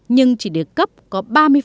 nhưng chỉ đề cấp có ba mươi